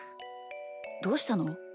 どうしたの？